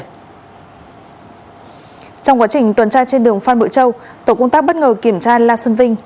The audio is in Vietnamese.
trong quá trình tuần tra trên đường phan bội châu tổ công tác bất ngờ kiểm tra la xuân vinh